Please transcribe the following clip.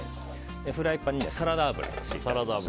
フライパンにサラダ油を熱していきます。